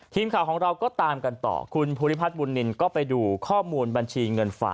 ทีมข่าวของเราก็ตามกันต่อคุณภูริพัฒนบุญนินก็ไปดูข้อมูลบัญชีเงินฝาก